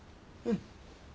うん。